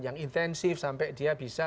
yang intensif sampai dia bisa